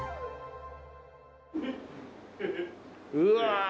うわ！